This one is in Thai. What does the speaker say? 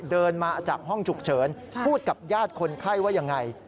เดินมาจากห้องฉุกเฉินพูดกับญาติคนไข้ว่ายังไง